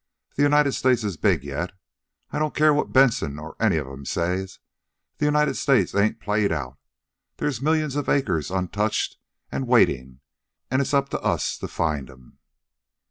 The United States is big yet. I don't care what Benson or any of 'em says, the United States ain't played out. There's millions of acres untouched an' waitin', an' it's up to us to find 'em."